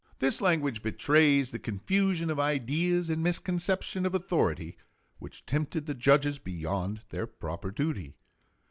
This language betrays the confusion of ideas and misconception of authority which tempted the judges beyond their proper duty.